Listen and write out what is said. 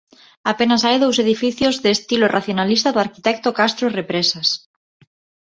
Apenas hai dous edificios de estilo racionalista do arquitecto Castro Represas.